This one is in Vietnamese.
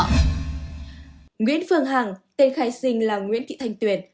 nguyễn phương hằng tên khai sinh là nguyễn thị thanh tuyền